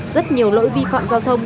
rất nhiều lỗi vi phạm giao thông